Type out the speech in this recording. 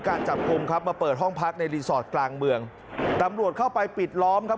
การจับกลุ่มครับมาเปิดห้องพักในรีสอร์ทกลางเมืองตำรวจเข้าไปปิดล้อมครับ